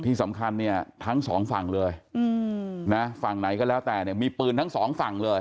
ที่สำคัญเนี่ยทั้งสองฝั่งเลยนะฝั่งไหนก็แล้วแต่เนี่ยมีปืนทั้งสองฝั่งเลย